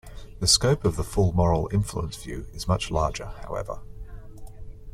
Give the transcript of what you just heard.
The scope of the full moral influence view is much larger, however.